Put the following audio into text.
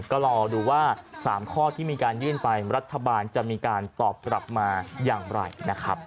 ก็รอดูว่า๓ข้อที่มีการยื่นไปรัฐบาลจะมีการตอบกลับมาอย่างไรนะครับ